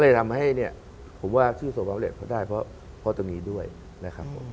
ก็เลยทำให้เนี่ยผมว่าชื่อส่วนประเทศเขาได้เพราะตรงนี้ด้วยนะครับผม